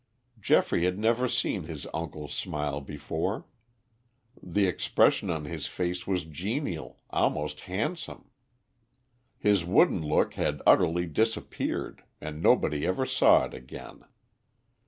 Geoffrey had never seen his uncle smile before. The expression of his face was genial, almost handsome. His wooden look had utterly disappeared and nobody ever saw it again.